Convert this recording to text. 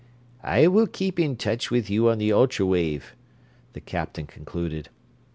"... I will keep in touch with you on the ultra wave," the Captain concluded.